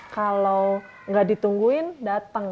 kalau nggak ditungguin datang